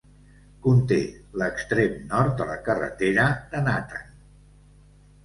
Conté l'extrem nord de la carretera de Nathan.